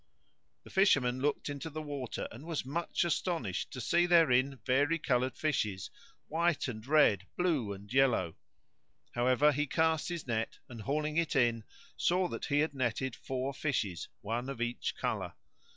The Fisherman looked into the water and was much astonished to see therein vari coloured fishes, white and red, blue and yellow; however he cast his net and, hauling it in, saw that he had netted four fishes, one of each colour.